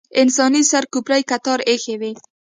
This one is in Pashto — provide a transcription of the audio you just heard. انساني سر کوپړۍ کتار ایښې وې.